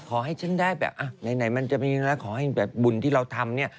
ขอให้ฉันได้แบบอ่ะไหนมันจะมีแล้วขอให้แบบบุญที่เราทำเนี่ย